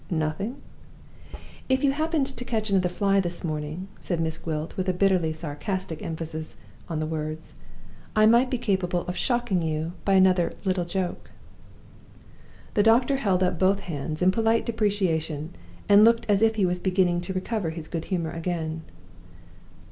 "Nothing?" "If you happened to catch another fly this morning," said Miss Gwilt, with a bitterly sarcastic emphasis on the words, "I might be capable of shocking you by another 'little joke.'" The doctor held up both hands, in polite deprecation, and looked as if he was beginning to recover his good humor again.